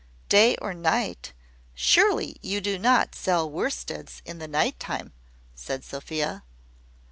"Day or night! Surely you do not sell worsteds in the night time?" said Sophia.